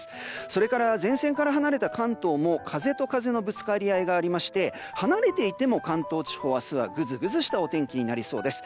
それから、前線から離れた関東も風と風のぶつかり合いがありまして離れていても関東地方は明日はぐずぐずした天気になりそうです。